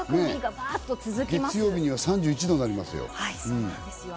月曜日には３１度になりますよ。